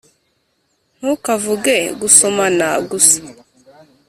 ntukavuge gusomana gusa.